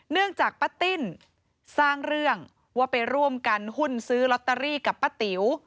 เนื่องจากป้าติ้นสร้างเรื่องว่าไปร่วมกันหุ้นซื้อลอตเตอรี่กับป้าติ๋ว